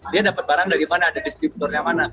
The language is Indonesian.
dia dapat barang dari mana ada distributornya mana